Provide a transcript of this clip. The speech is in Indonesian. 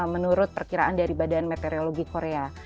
menurut perkiraan dari badan meteorologi korea